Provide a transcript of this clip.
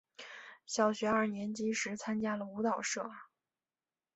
小学二年级时参加了舞蹈社。